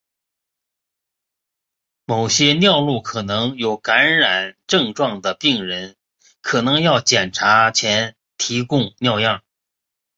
某些尿路可能有感染症状的病人可能要在检查前提供尿样。